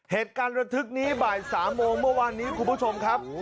เหตุการณ์ระทึกนี้บ่าย๓โมงเมื่อวานนี้คุณผู้ชมครับ